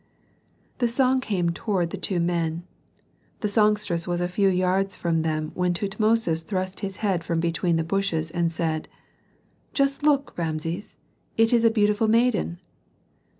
The song came toward the two men. The songstress was a few yards from them when Tutmosis thrust his head from between the bushes, and said, "Just look, Rameses, but that is a beautiful maiden!"